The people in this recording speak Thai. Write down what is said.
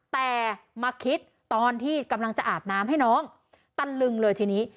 แต่มาคิดตอนที่กำลังจะอาบน้ำให้น้องตะลึงเลยทีนี้